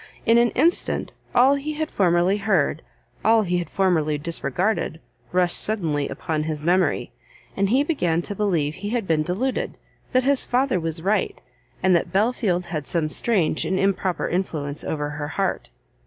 In an instant, all he had formerly heard, all he had formerly disregarded, rushed suddenly upon his memory, and he began to believe he had been deluded, that his father was right, and that Belfield had some strange and improper influence over her heart.